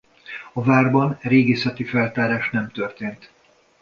A várban régészeti feltárás nem történt.